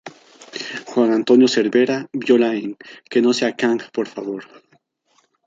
Juan Antonio Cervera: Viola en "Que no sea Kang, por favor".